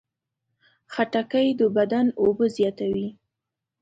خټکی د بدن اوبه زیاتوي.